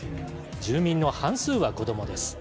住民の半数は子どもです。